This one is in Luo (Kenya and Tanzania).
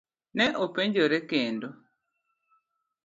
Ne openjore kendo.